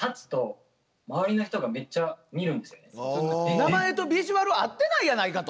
名前とビジュアル合ってないやないかと。